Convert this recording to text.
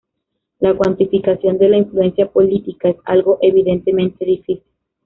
La cuantificación de la influencia política es algo evidentemente difícil.